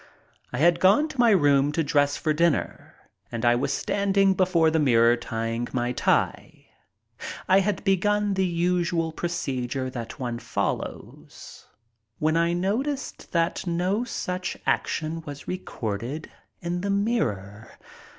I had gone to my room to dress for dinner and I was standing before the mirror tying my tie. I had begun the usual procedure that one follows, when I noticed that no such action was recorded in the mirror.